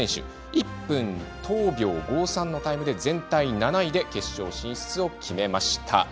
１分１０秒５３のタイムで全体７位で決勝進出を決めました。